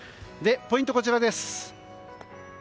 ポイント、こちらです。